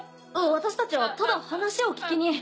私たちはただ話を聞きに。